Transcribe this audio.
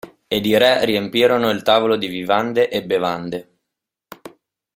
Ed i re riempirono il tavolo di vivande e bevande.